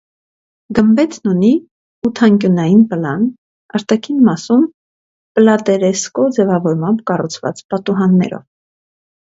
Գմբեթն ունի ութանկյունային պլան, արտաքին մասում՝ պլատերեսկո ձևավորմամբ կառուցված պատուհաններով։